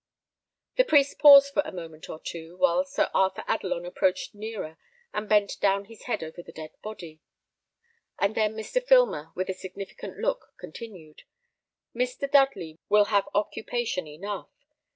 The priest paused for a moment or two, while Sir Arthur Adelon approached nearer and bent down his head over the dead body; and then Mr. Filmer, with a significant look, continued: "Mr. Dudley will have occupation enough.